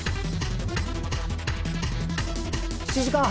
７時間半。